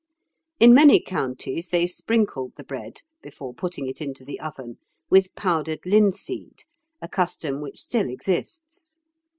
In many counties they sprinkled the bread, before putting it into the oven, with powdered linseed, a custom which still exists.